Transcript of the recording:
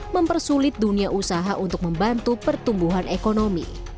mempersulit dunia usaha untuk membantu pertumbuhan ekonomi